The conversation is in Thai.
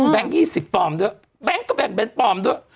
แบงค์๒๐ปอมด้วยแบงค์ก็แบ่งเป็นปอมด้วย